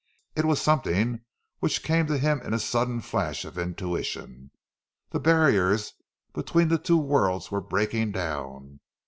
It was something which came to him in a sudden flash of intuition;—the barriers between the two worlds were breaking down!